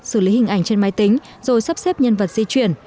xử lý hình ảnh trên máy tính rồi sắp xếp nhân vật di chuyển